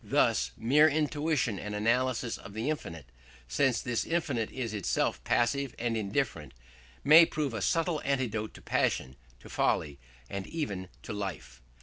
Thus mere intuition and analysis of the infinite, since this infinite is itself passive and indifferent, may prove a subtle antidote to passion, to folly, and even to life.